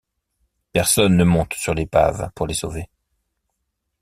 Personne ne monte sur l'épave pour les sauver.